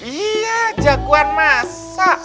iya jagoan masak